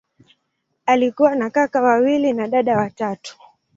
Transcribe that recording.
Alikuwa na kaka wawili na dada watatu.